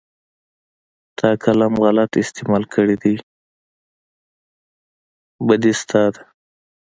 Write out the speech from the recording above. تا قلم غلط استعمال کړى دى بدي ستا ده.